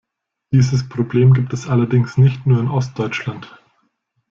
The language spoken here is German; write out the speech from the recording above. Dieses Problem gibt es allerdings nicht nur in Ostdeutschland.